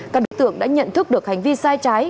các đối tượng đã nhận thức được hành vi sai trái